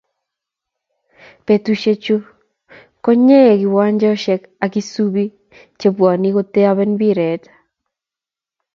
Betushe chu ko nyee kiwanjoshe ak isubii che bwanii kotoben mpiret.